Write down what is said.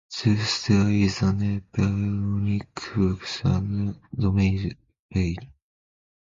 Thus there is a net baryonic flux through the domain wall.